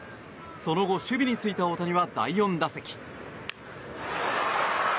その後、守備についた大谷は第４打席。